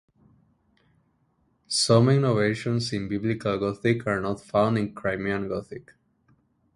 Some innovations in Biblical Gothic are not found in Crimean Gothic.